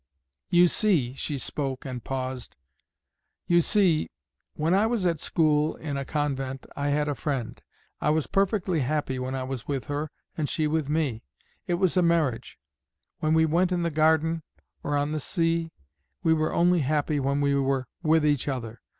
"You see" she spoke and paused "you see, when I was at school in a convent I had a friend. I was perfectly happy when I was with her and she with me; it was a marriage. When we went in the garden or on the sea, we were only happy when we were with each other.